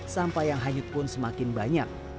sampah yang hanyut pun semakin banyak